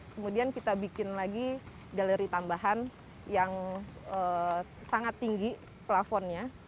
kemudian kita bikin lagi galeri tambahan yang sangat tinggi plafonnya